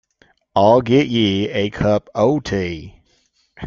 I'll get ye a cup o' tea.